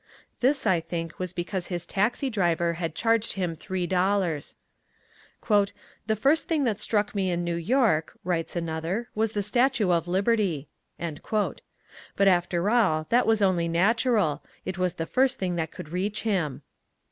This, I think, was because his taxi driver had charged him three dollars. "The first thing that struck me in New York," writes another, "was the Statue of Liberty." But, after all, that was only natural: it was the first thing that could reach him.